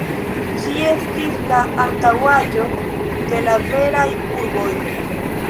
Ĝi estis la antaŭaĵo de la veraj burgoj.